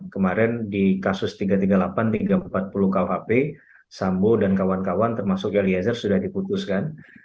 kemarin di kasus tiga ratus tiga puluh delapan tiga ratus empat puluh kuhp sambo dan kawan kawan termasuk eliezer sudah diputuskan